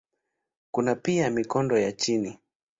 Kuna pia mikondo ya chini.